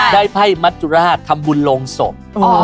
ได้ไพ่มาตรุระธัมบุญรงค์ศพ